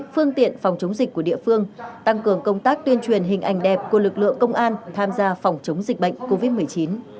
phương tiện phòng chống dịch của địa phương tăng cường công tác tuyên truyền hình ảnh đẹp của lực lượng công an tham gia phòng chống dịch bệnh covid một mươi chín